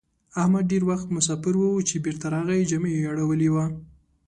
احمد ډېر وخت مساپر وو؛ چې بېرته راغی جامه يې اړولې وه.